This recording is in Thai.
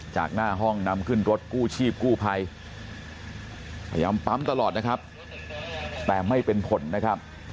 จากหน้าห้องนำขึ้นรถกู้ชีพกู้ภัยพยายามปั๊มตลอดนะครับแต่ไม่เป็นผลนะครับ